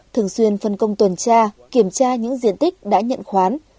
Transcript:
thường xuyên phân công tuần tra kiểm tra những diện tích đã nhận khoán